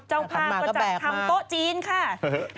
เจ้าภาพก็จัดทำโต๊ะจีนค่ะ